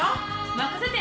任せて！